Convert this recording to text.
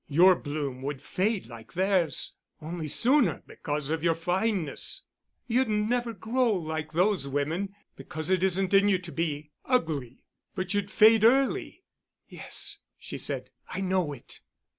Your bloom would fade like theirs, only sooner because of your fineness. You'd never grow like those women, because it isn't in you to be ugly. But you'd fade early." "Yes," she said, "I know it."